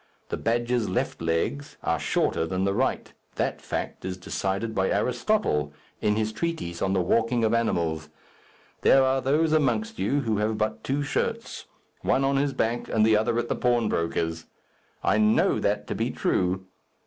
The badger's left legs are shorter than the right, That fact is decided by Aristotle, in his treatise on the walking of animals. There are those amongst you who have but two shirts one on his back, and the other at the pawnbroker's. I know that to be true.